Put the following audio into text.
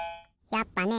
やっぱね！